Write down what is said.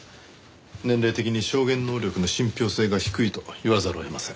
年齢的に証言能力の信憑性が低いと言わざるを得ません。